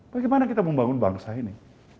bagaimana kita membangun bangsa ini